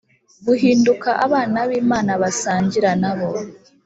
guhinduka abana b’imana basangira nabo